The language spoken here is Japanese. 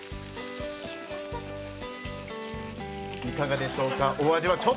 いかがでしょうか、お味は。